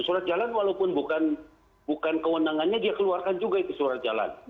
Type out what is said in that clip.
surat jalan walaupun bukan kewenangannya dia keluarkan juga itu surat jalan